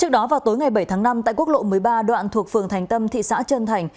trước đó vào tối ngày bảy tháng năm tại quốc lộ một mươi ba đoạn thuộc phường thành tâm thị xã trân thành